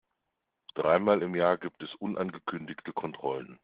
Dreimal im Jahr gibt es unangekündigte Kontrollen.